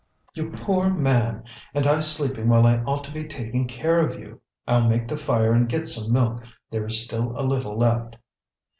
"You poor man! And I sleeping while I ought to be taking care of you! I'll make the fire and get some milk; there is still a little left."